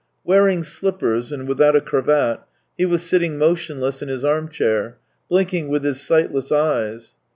Wearing slippers, and without a cravat, he was sitting motionless in his arm chair, blinking with his sightless eyes.